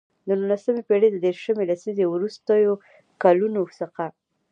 د نولسمې پېړۍ د دیرشمې لسیزې وروستیو کلونو څخه.